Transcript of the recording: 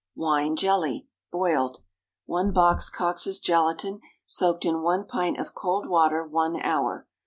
WINE JELLY (boiled.) 1 box Coxe's gelatine, soaked in 1 pint of cold water one hour.